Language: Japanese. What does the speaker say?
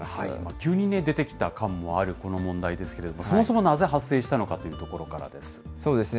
急にね、出てきた感もあるこの問題ですけれども、そもそもなぜ発生したのそうですね。